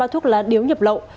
ba thuốc lá điếu nhập lậu